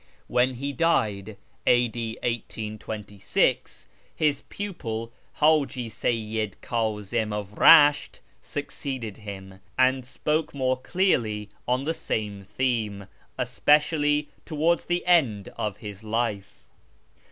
When he died (a.d. 1826) his pupil, Haji Seyyid Kazim of Eesht, succeeded him, and spoke more clearly on the same theme, especially towards the end of his life.